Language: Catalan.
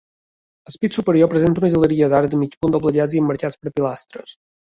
El pis superior presenta una galeria d'arcs de mig punt doblegats i emmarcats per pilastres.